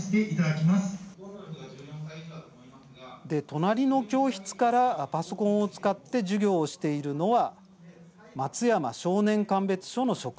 隣の教室から、パソコンを使って授業をしているのは松山少年鑑別所の職員です。